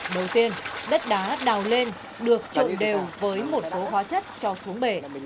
đầu tiên đất đá đào lên được trộn đều với một số hóa chất cho xuống bể